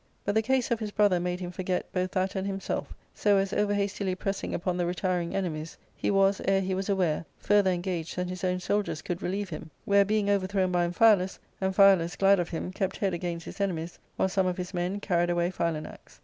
But the case of his brother made him forget both that and himself, so as, over hastily pressing upon the retiring enemies, he was, ere he was aware, further engaged than his own soldiers could relieve him, where, being overthrown by Amphialus, Amphialus, glad of him, kept head against his enemies, while some of his men carried away Philanax.